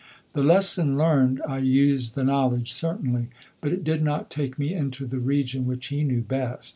The lesson learned, I used the knowledge certainly; but it did not take me into the region which he knew best.